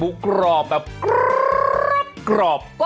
ปู่พญานาคี่อยู่ในกล่อง